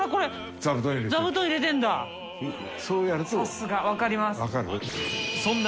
さすが分かります。